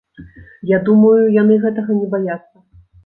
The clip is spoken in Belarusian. Я думаю, яны гэтага не баяцца.